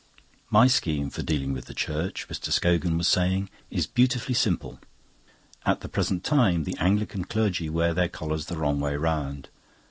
"...My scheme for dealing with the Church," Mr. Scogan was saying, "is beautifully simple. At the present time the Anglican clergy wear their collars the wrong way round.